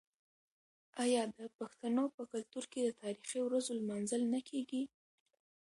آیا د پښتنو په کلتور کې د تاریخي ورځو لمانځل نه کیږي؟